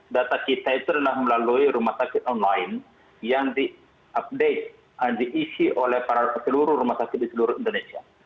data kita itu adalah melalui rumah sakit online yang diupdate diisi oleh para seluruh rumah sakit di seluruh indonesia